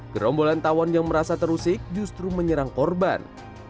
gerombolan tawon yang merasa terusik justru menyerang korban